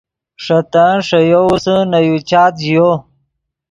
ݰے تن ݰے یوورسے نے یو چات ژیو۔